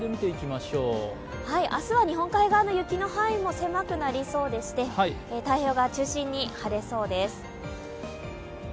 明日は日本海側の雪の範囲も狭くなりそうでして太平洋側を中心に晴れそうです。